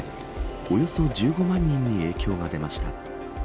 およそ１５万人に影響が出ました。